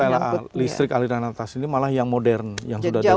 itu lrt listrik aliran atas ini malah yang modern yang sudah dari bawah